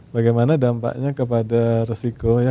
bagaimana dampaknya kepada resiko ya